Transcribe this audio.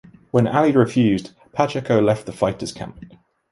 When Ali refused, Pacheco left the fighter's camp.